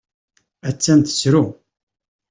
Attan tettru.